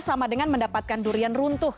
sama dengan mendapatkan durian runtuh